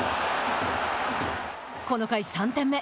この回、３点目。